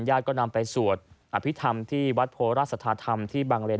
ก็นำไปสวดอภิษฐรรมที่วัดโพราชสัทธาธรรมที่บังเลน